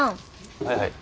はいはい。